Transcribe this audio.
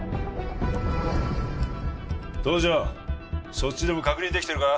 そっちでも確認できてるか？